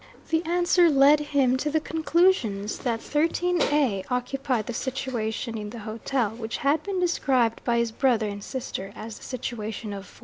The answer led him to the conclusion that '13 A' occupied the situation in the hotel which had been described by his brother and sister as the situation of '14.'